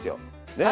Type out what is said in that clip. ねえ